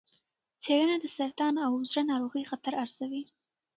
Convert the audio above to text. څېړنه د سرطان او زړه ناروغۍ خطر ارزوي.